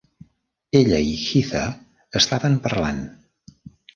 Ella i Heather estaven parlant.